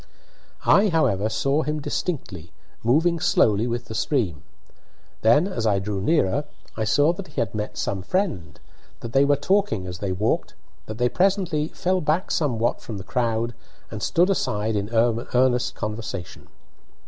I, however, saw him distinctly, moving slowly with the stream. Then, as I drew nearer, I saw that he had met some friend, that they were talking as they walked, that they presently fell back somewhat from the crowd and stood aside in earnest conversation.